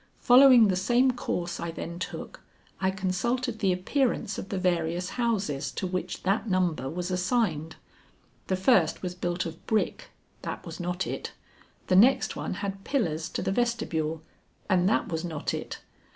Following the same course I then took, I consulted the appearance of the various houses to which that number was assigned. The first was built of brick; that was not it. The next one had pillars to the vestibule; and that was not it.